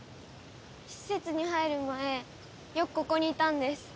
施設に入る前よくここにいたんです。